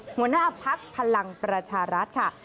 หัวหน้าพักพลังประชารัฐค่ะ